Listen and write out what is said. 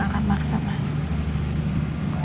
saya menyuapih ini